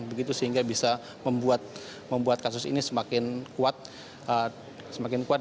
begitu sehingga bisa membuat kasus ini semakin kuat